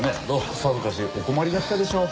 さぞかしお困りだったでしょう。